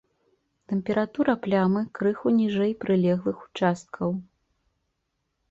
Тэмпература плямы крыху ніжэй прылеглых участкаў.